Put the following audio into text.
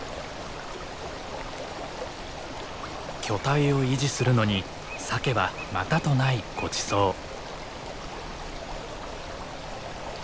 巨体を維持するのにサケはまたとないごちそう。